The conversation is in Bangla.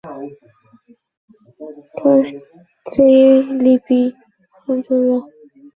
তার স্ত্রী লিপি আব্দুল্লাহ।